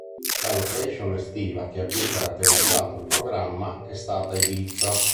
La location estiva che ha più caratterizzato il programma è stata Ibiza.